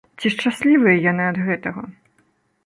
Ці шчаслівыя яны ад гэтага?